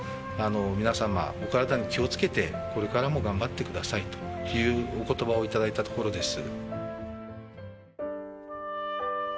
「皆さまお体に気を付けてこれからも頑張ってください」というお言葉を頂いたところです。